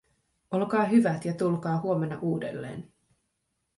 Olkaa hyvät ja tulkaa huomenna uudelleen."